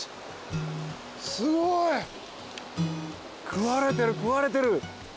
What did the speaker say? すごい。食われてる食われてる。